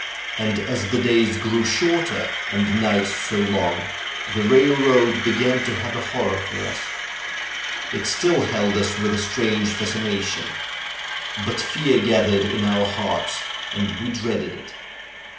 And as the days grew shorter, and the nights so long, the railroad began to have a horror for us. It still held us with a strange fascination; but fear gathered in our hearts, and we dreaded it.